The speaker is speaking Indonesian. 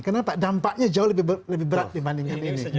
kenapa dampaknya jauh lebih berat dibandingkan ini